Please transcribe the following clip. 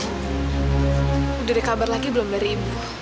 sudah ada kabar lagi belum dari ibu